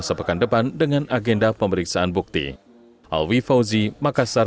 sidang akan dilanjutkan